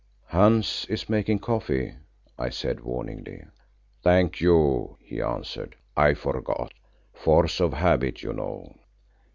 "Hans is making coffee," I said warningly. "Thank you," he answered, "I forgot. Force of habit, you know."